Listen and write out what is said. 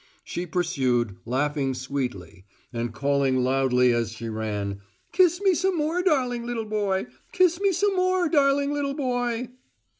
She pursued, laughing sweetly, and calling loudly as she ran, "Kiss me some more, darling little boy! Kiss me some more, darling little boy!"